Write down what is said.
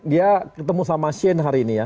dia ketemu sama shane hari ini ya